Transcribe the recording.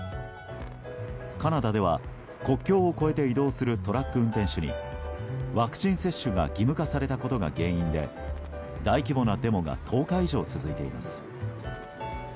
カナダでは国境を越えて移動するトラック運転手にワクチン接種が義務化されたことが原因で大規模なデモが１０日以上続いています。